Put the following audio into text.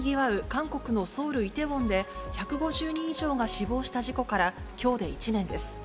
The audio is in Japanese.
韓国のソウル・イテウォンで、１５０人以上が死亡した事故から、きょうで１年です。